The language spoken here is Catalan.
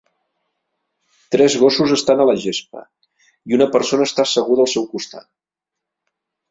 Tres gossos estan a la gespa i una persona està asseguda al seu costat.